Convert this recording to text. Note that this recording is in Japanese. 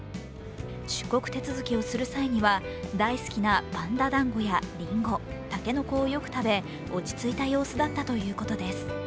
出国手続きをする際には大好きなパンダ団子やりんご竹の子をよく食べ落ち着いた様子だったということです。